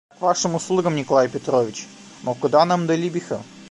Я к вашим услугам, Николай Петрович; но куда нам до Либиха!